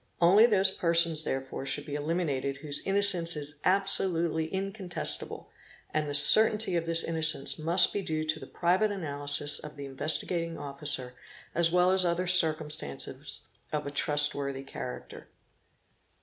Only those persons therefore should be eliminated whose innocence is absolutely incontest able, and the certainty of this innocence must be due to the private analysis of the Investigating Officer as well as other circumstances of a trust worthy character.